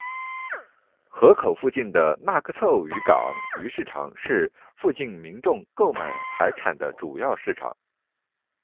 河口附近的那珂凑渔港鱼市场是附近民众购买海产的主要市场。